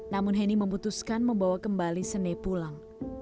namun henny memutuskan membawa kembali sene pulang